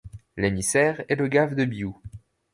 L'émissaire est le gave de Bious.